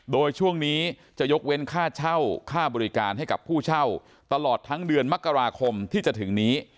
โดยช่วงนี้จะยกเว้นค่าเช่าค่าบริการให้กับผู้เช่าตลอดทั้งเดือนมกราคมที่จะถึงนี้